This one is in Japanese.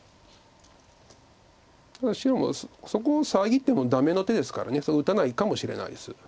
ただ白もそこを遮ってもダメの手ですからそこ打たないかもしれないです。